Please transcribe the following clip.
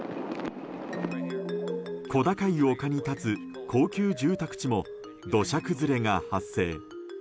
小高い丘に立つ高級住宅地も土砂崩れが発生。